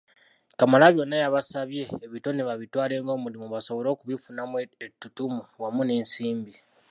Kamalabyonna yabasabye ebitone babitwale ng'omulimu basobole okubifunamu ettutumu wamu n'ensimbi.